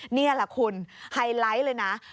นี่แหละคุณไฮไลท์เลยนะ